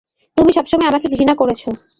তুমি সবসময় আমাকে ঘৃণা করেছ।